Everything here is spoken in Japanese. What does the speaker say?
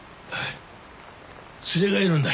連れがいるんだ。